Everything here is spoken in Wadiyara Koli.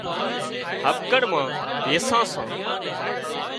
هٻڪڻ مان ويسان سان